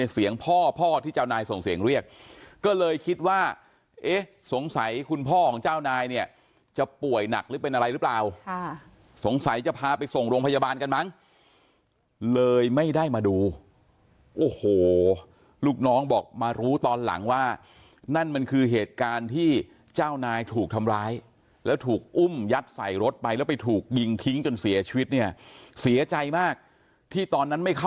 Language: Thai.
เสียงพ่อพ่อที่เจ้านายส่งเสียงเรียกก็เลยคิดว่าเอ๊ะสงสัยคุณพ่อของเจ้านายเนี่ยจะป่วยหนักหรือเป็นอะไรหรือเปล่าสงสัยจะพาไปส่งโรงพยาบาลกันมั้งเลยไม่ได้มาดูโอ้โหลูกน้องบอกมารู้ตอนหลังว่านั่นมันคือเหตุการณ์ที่เจ้านายถูกทำร้ายแล้วถูกอุ้มยัดใส่รถไปแล้วไปถูกยิงทิ้งจนเสียชีวิตเนี่ยเสียใจมากที่ตอนนั้นไม่เข้า